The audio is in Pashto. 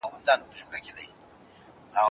ولي سخته مبارزه د یوه ښه راتلونکي یوازینۍ کیلي ده؟